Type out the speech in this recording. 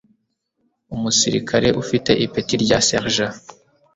Umusirikare ufite ipeti rya Serija